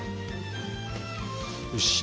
よし！